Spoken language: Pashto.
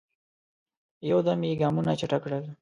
یو دم یې ګامونه چټک کړل.